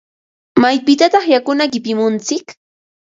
¿Maypitataq yakuta qipimuntsik?